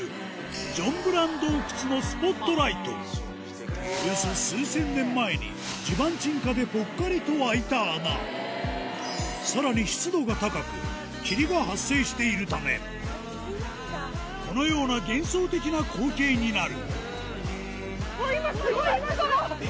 ジョンブラン洞窟のおよそ数千年前に地盤沈下でぽっかりと開いた穴さらに湿度が高く霧が発生しているためこのような幻想的な光景になる